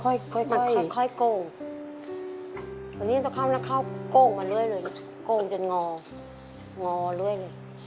จ้ะค่อยค่อยค่อยก้งตอนนี้มันจะเข้าก้งมาเรื่อยก้งจนงองอเรื่อย